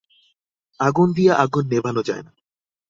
আগুন দিয়া আগুন নেবানো যায় না।